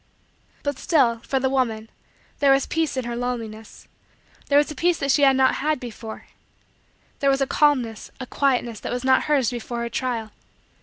But still, for the woman, there was peace in her loneliness there was a peace that she had not had before there was a calmness, a quietness, that was not hers before her trial.